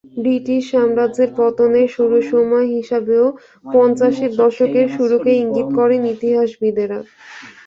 British সাম্রাজ্যের পতনের শুরুর সময় হিসেবেও পঞ্চাশের দশকের শুরুকেই ইঙ্গিত করেন ইতিহাসবিদেরা।